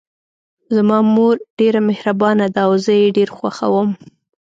زما مور ډیره مهربانه ده او زه یې ډېر خوښوم